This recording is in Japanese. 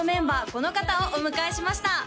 この方をお迎えしました